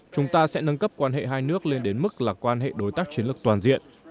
chúng ta sẽ nâng cấp quan hệ hai nước lên đến mức là quan hệ đối tác chiến lược toàn diện